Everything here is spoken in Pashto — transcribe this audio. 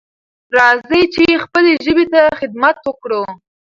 راځئ چې خپلې ژبې ته خدمت وکړو.